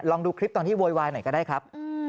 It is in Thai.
ลองดูคลิปตอนที่โวยวายหน่อยก็ได้ครับ